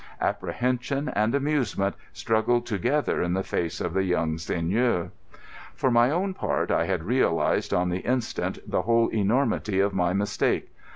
Apprehension and amusement struggled together in the face of the young seigneur. For my own part, I had realised on the instant the whole enormity of my mistake.